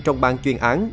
trong bang chuyên án